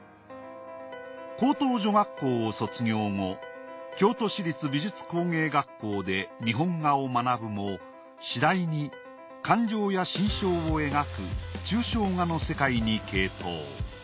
高等女学校を卒業後京都市立美術工芸学校で日本画を学ぶも次第に感情や心象を描く抽象画の世界に傾倒。